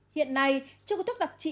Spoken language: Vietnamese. hiện nay trường hợp thuốc đặc trị